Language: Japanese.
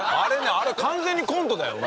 あれ完全にコントだよな。